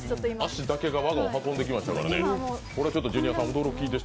足だけがワゴン運んできましたもんね。